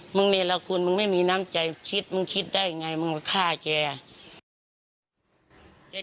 โรงเรียนละคุณมึงไม่มีน้ำใจคิดมึงคิดได้ไงมึงมาฆ่าแก